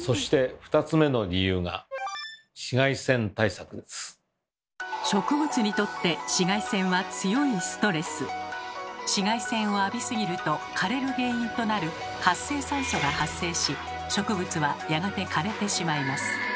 そして２つ目の理由が植物にとって紫外線を浴びすぎると枯れる原因となる「活性酸素」が発生し植物はやがて枯れてしまいます。